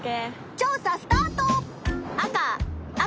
調査スタート！